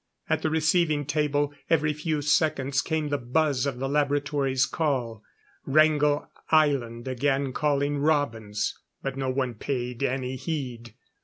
At the receiving table, every few seconds came the buzz of the laboratory's call. Wrangel Island again calling Robins; but no one paid any heed.